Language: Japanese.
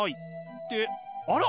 ってあら？